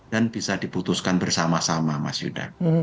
dan bisa diputuskan bersama sama mas yudha